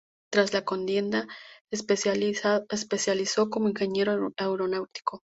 Tras la contienda se especializó como ingeniero aeronáutico.